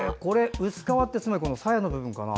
薄皮ってさやの部分かな？